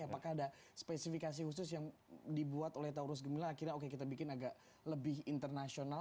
apakah ada spesifikasi khusus yang dibuat oleh taurus gemila akhirnya oke kita bikin agak lebih internasional